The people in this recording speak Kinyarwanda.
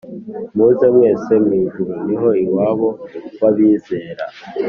muze mwese mwijuru niho iwabo wabizera